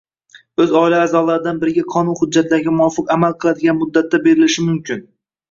Oʼz oila aʼzolaridan biriga qonun hujjatlariga muvofiq amal qiladigan muddatga berishi mumkin